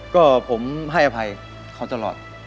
ก็ผมให้อภัยเขาตลอด